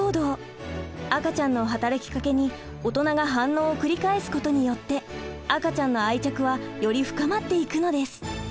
赤ちゃんの働きかけに大人が反応を繰り返すことによって赤ちゃんの愛着はより深まっていくのです。